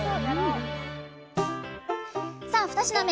さあ二品目